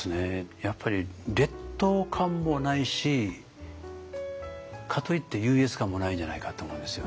やっぱり劣等感もないしかといって優越感もないんじゃないかって思うんですよね。